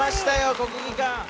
国技館。